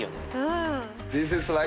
うん。